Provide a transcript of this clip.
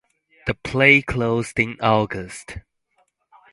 The play closed in August.